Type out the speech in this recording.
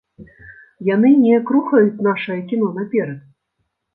Яны неяк рухаюць нашае кіно наперад?